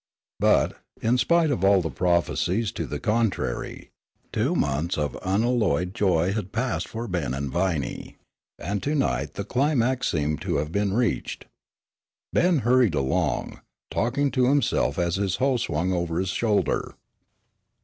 But, in spite of all prophecies to the contrary, two months of unalloyed joy had passed for Ben and Viney, and to night the climax seemed to have been reached. Ben hurried along, talking to himself as his hoe swung over his shoulder.